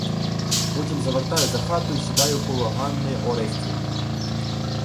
Потім завертаю за хату й сідаю коло Ганни Орестівни.